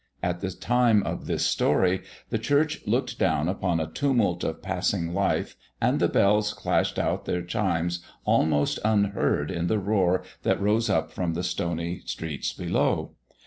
At the time of this story the church looked down upon a tumult of passing life and the bells clashed out their chimes almost unheard in the roar that rose up from the stony streets below.